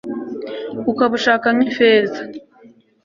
Ukabushaka nkifeza